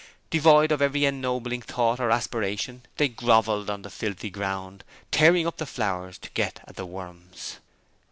Devoid of every ennobling thought or aspiration, they grovelled on the filthy ground, tearing up the flowers to get at the worms.